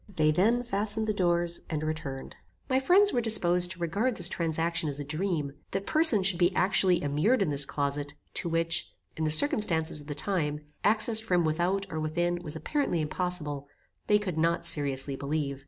They then fastened the doors, and returned. My friends were disposed to regard this transaction as a dream. That persons should be actually immured in this closet, to which, in the circumstances of the time, access from without or within was apparently impossible, they could not seriously believe.